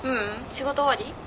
仕事終わり？